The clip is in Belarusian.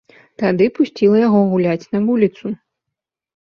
Тады пусціла яго гуляць на вуліцу.